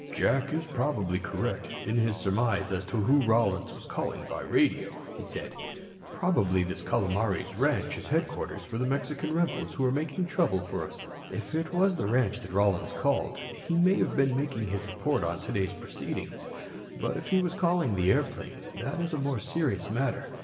"Jack is probably correct in his surmise as to who Rollins was calling by radio," he said. "Probably this Calomares ranch is headquarters for the Mexican rebels who are making trouble for us. If it was the ranch that Rollins called, he may have been making his report on today's proceedings. But if he was calling the airplane, that is a more serious matter.